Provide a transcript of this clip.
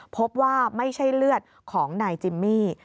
พบว่าไม่ใช่เลือดของนายจิมมี่